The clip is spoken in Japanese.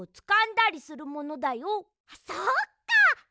そっか。